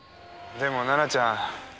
でも奈々ちゃん